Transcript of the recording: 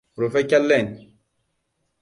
Rufe ƙyallen.